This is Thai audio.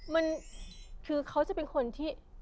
มันคือเขาจะเป็นคนที่